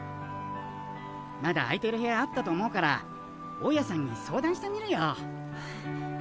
まだ空いてる部屋あったと思うから大家さんに相談してみるよ。